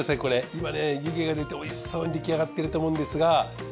今ね湯気が出て美味しそうにできあがってると思うんですが。